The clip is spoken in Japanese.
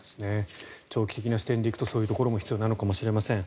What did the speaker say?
長期的な視点でいくとそういうところも必要なのかもしれません。